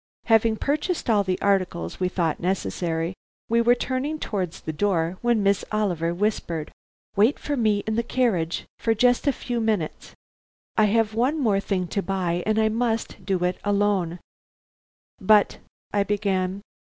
Having purchased all the articles we thought necessary, we were turning towards the door when Miss Oliver whispered: "Wait for me in the carriage for just a few minutes. I have one more thing to buy, and I must do it alone." "But " I began.